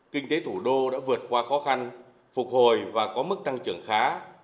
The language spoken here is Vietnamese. kinh tế thủ đô đã vượt qua khó khăn phục hồi và có mức tăng trưởng khá